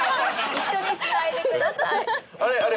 一緒にしないでください。